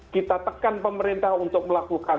kita tekan pemerintah untuk melakukan